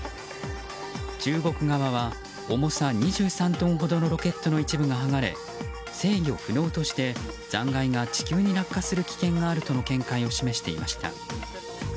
中国側は重さ２３トンほどのロケットの一部が剥がれ制御不能として、残骸が地球に落下する危険があるとの見解を示していました。